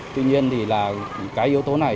tuy nhiên thì là cái yếu tố này